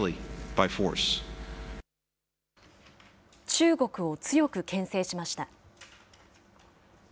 中国を強くけん制しました。